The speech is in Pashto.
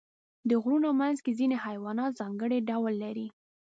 د غرونو منځ کې ځینې حیوانات ځانګړي ډول لري.